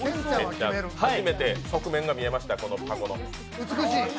初めて底面が見えました、この箱の。